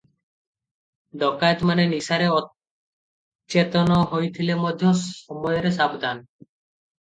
ଡକାଏତମାନେ ନିଶାରେ ଅଚେତନ ହୋଇଥିଲେ ମଧ୍ୟ ସମୟରେ ସାବଧାନ ।